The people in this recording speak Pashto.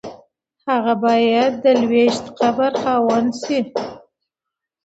هغه باید د لویشت قبر خاوند شي.